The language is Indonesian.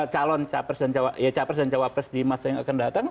calon capres dan cawapres di masa yang akan datang